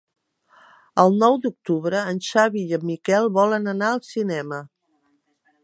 El nou d'octubre en Xavi i en Miquel volen anar al cinema.